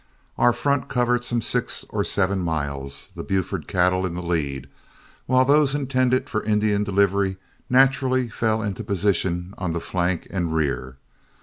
Our front covered some six or seven miles, the Buford cattle in the lead, while those intended for Indian delivery naturally fell into position on flank and rear.